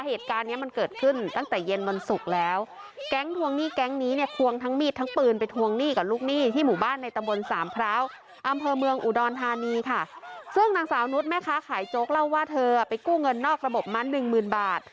เหตุการณ์เนี้ยมันเกิดขึ้นตั้งแต่เย็นวันศุกร์แล้วแก๊งทวงหนี้แก๊งนี้เนี่ยควงทั้งมีดทั้งปืนไปทวงหนี้กับลูกหนี้ที่หมู่บ้านในตำบลสามพร้าวอำเภอเมืองอุดรธานีค่ะซึ่งนางสาวนุษย์แม่ค้าขายโจ๊กเล่าว่าเธอไปกู้เงินนอกระบบมาหนึ่งหมื่นบาท